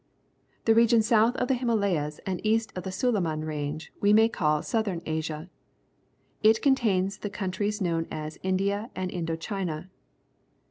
The region south of the Hima *, layas and east of the Sulaiman Range we*^ may call Southern Asia. It contains the A countries known as India and In do China.'